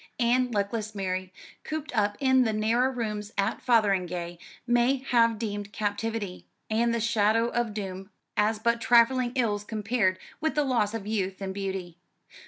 And luckless Mary, cooped up in the narrow rooms at Fotheringay, may have deemed captivity, and the shadow of doom, as but trifling ills compared with the loss of youth and beauty.